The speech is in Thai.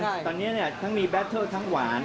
ซึ่งตอนนี้ทั้งมีแบตเตอร์ทั้งหวาน